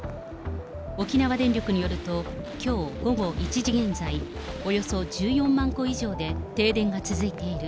沖縄電力によると、きょう午後１時現在、およそ１４万戸以上で停電が続いている。